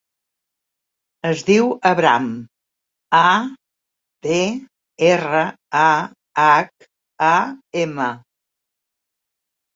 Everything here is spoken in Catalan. Es diu Abraham: a, be, erra, a, hac, a, ema.